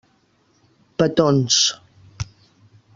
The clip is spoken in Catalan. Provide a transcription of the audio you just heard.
Petons.